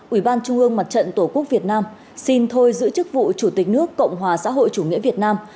ủy ban trung ương mặt trận tổ quốc việt nam xin thôi giữ chức vụ chủ tịch nước cộng hòa xã hội chủ nghĩa việt nam